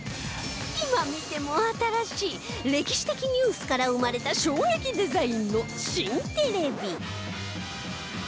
今見ても新しい歴史的ニュースから生まれた衝撃デザインの新テレビ